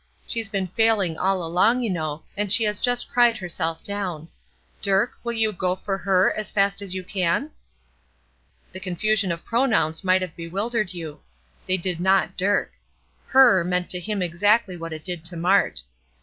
She's been failing all along, you know, and she has just cried herself down. Dirk, will you go for her as fast as you can?" The confusion of pronouns might have bewildered you. They did not Dirk. "Her" meant to him exactly what it did to Mart.